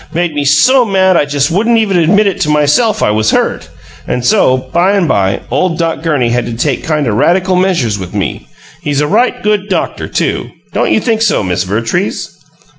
Made me so mad I just wouldn't even admit to myself it WAS hurt and so, by and by, ole Doc Gurney had to take kind o' radical measures with me. He's a right good doctor, too. Don't you think so, Miss Vertrees?"